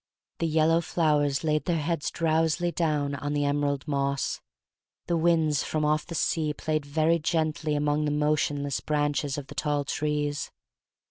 The yellow flowers laid their heads drowsily down on the emerald moss. The wind from off the sea played very gently among the motionless branches of the tall trees.